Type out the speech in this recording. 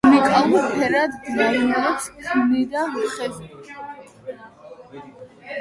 უნიკალურ ფერად გრავიურებს ქმნიდა ხეზე.